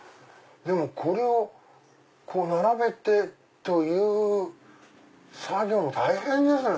でもこれを並べてという作業も大変ですね。